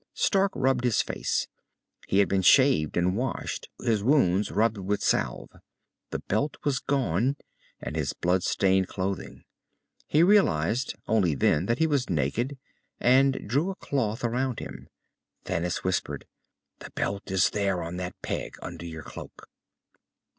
Stark rubbed his face. He had been shaved and washed, his wounds rubbed with salve. The belt was gone, and his blood stained clothing. He realized only then that he was naked, and drew a cloth around him. Thanis whispered, "The belt is there on that peg, under your cloak."